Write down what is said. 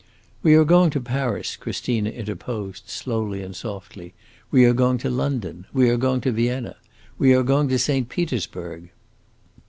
"We are going to Paris," Christina interposed, slowly and softly. "We are going to London. We are going to Vienna. We are going to St. Petersburg."